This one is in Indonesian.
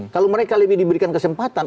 kalau mereka lebih diberikan kesempatan